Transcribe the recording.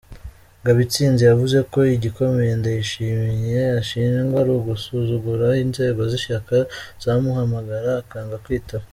Ngabitsinze yavuze ko igikomeye Ndayishimye ashinjwa ari ugusuzugura inzego z’ishyaka, zamuhamagara akanga kwitaba.